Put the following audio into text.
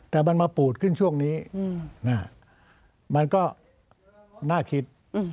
แต่มันมาปูดขึ้นช่วงนี้มันก็น่าคิด